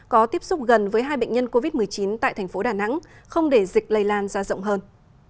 có tiếp xúc gần với hai bệnh nhân covid một mươi chín tại thành phố đà nẵng không để dịch lây lan ra rộng hơn